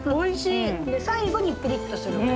で最後にピリッとするから。